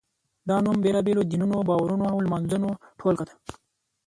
دا نوم بېلابېلو دینونو، باورونو او لمانځنو ټولګه ده.